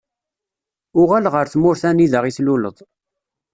Uɣal ɣer tmurt anida i tluleḍ.